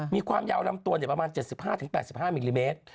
มีความยาวลำตัวประมาณ๗๕๘๕มิลลิเมตร